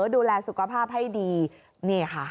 ดูแลสุขภาพให้ดีนี่ค่ะ